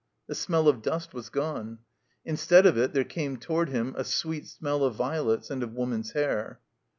The smeU of dust was gone. Instead of it there came toward him a sweet smeU of violets and of woman's hair.